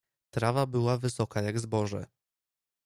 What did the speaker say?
Trawa była wysoka jak zboże.